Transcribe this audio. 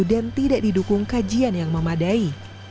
dan tidak didukung kajian yang memadai